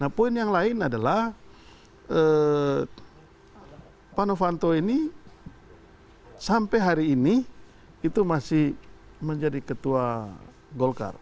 nah poin yang lain adalah pak novanto ini sampai hari ini itu masih menjadi ketua golkar